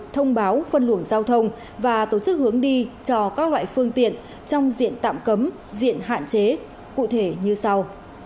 thông báo phân luồng giao thông và tổ chức hướng đi cho các loại phương tiện trong diện tạm cấm diện hạn chế cụ thể như sau